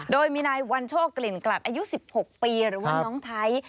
โดยมีนายวันโชคกลิ่นกลัดอายุ๑๖ปีหรือว่าน้องไทย